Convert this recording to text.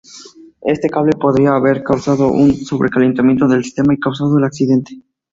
Este cable podría haber causado un sobrecalentamiento del sistema y causado el accidente.